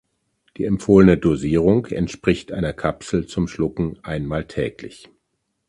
Die empfohlene Dosierung entspricht einer Kapsel zum Schlucken einmal täglich.